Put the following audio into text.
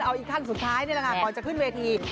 เอาอีกขั้นสุดท้ายนี่แหละค่ะก่อนจะขึ้นเวที